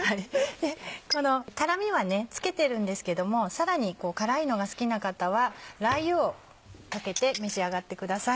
この辛みは付けてるんですけどもさらに辛いのが好きな方はラー油をかけて召し上がってください。